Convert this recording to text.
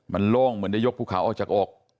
มันโล่งเหมือนได้ยกภูเขาออกจากอก